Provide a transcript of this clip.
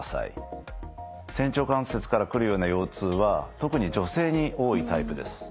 仙腸関節から来るような腰痛は特に女性に多いタイプです。